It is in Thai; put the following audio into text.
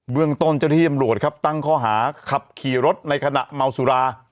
เรื่องต้นเจ้าที่อำรวจครับตั้งข้อหาขับขี่รถในขณะเมาสุรา